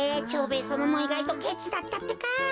蝶兵衛さまもいがいとケチだったってか。